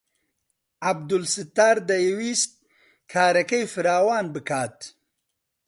عەبدولستار دەیویست کارەکەی فراوان بکات.